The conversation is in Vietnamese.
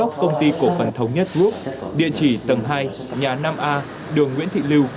đốc công ty cổ phần thống nhất group địa chỉ tầng hai nhà năm a đường nguyễn thị lưu